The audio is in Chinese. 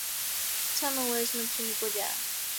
他们为什么去你国家？